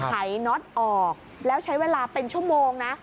หายน็อตออกแล้วใช้เวลาเป็นชั่วโมงนะ